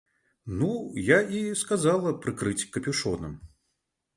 Ну я і сказала прыкрыць капюшонам.